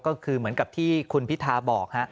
ก็คือเหมือนกับที่คุณพิทาบอก